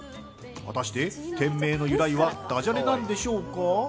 果たして店名の由来はだじゃれなんでしょうか？